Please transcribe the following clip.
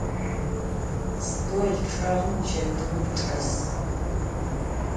Stol çç'eğım çetıur çç'es.